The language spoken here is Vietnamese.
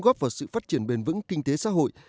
góp vào sự phát triển bền vững kinh tế xã hội